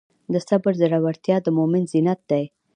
د صبر زړورتیا د مؤمن زینت دی.